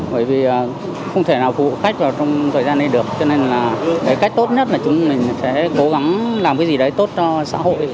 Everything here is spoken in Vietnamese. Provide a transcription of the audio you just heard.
bởi vì không thể nào phục vụ khách vào trong thời gian này được cho nên là cái cách tốt nhất là chúng mình sẽ cố gắng làm cái gì đấy tốt cho xã hội